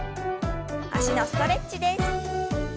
脚のストレッチです。